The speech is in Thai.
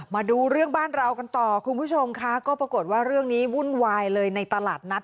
มาดูเรื่องบ้านเรากันต่อคุณผู้ชมค่ะก็ปรากฏว่าเรื่องนี้วุ่นวายเลยในตลาดนัด